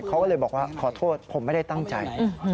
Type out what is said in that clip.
เขาก็เลยบอกว่าขอโทษผมไม่ได้ตั้งใจ